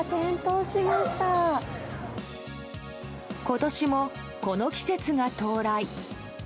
今年も、この季節が到来。